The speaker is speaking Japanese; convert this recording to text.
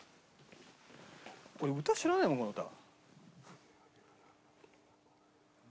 俺歌知らないもんこの歌。